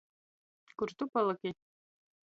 Kur tu palyki?